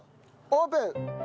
オープン！